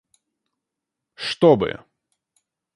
чтобы